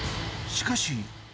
しかし。